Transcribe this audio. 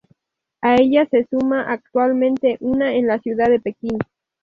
A ellas se suma actualmente una en la ciudad de Pekín.